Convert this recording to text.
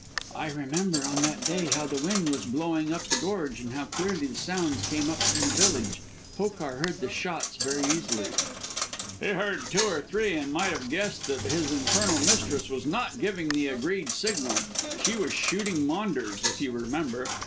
"I remember on that day how the wind was blowing up the gorge and how clearly the sounds came up from the village. Hokar heard the shots very easily." "He heard two or three, and might have guessed that his infernal mistress was not giving the agreed signal. She was shooting Maunders, if you remember.